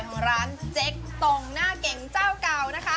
ทางร้านเจ๊กตรงหน้าเก๋งเจ้าเก่านะคะ